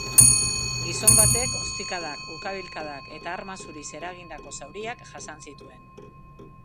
Gizon batek ostikadak, ukabilkadak eta arma zuriz eragindako zauriak jasan zituen.